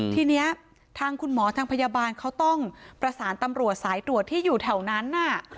ทีนี้ทางคุณหมอทางพยาบาลเขาต้องประสานตำรวจสายตรวจที่อยู่แถวนั้นน่ะ